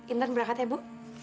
intan berangkat ya bu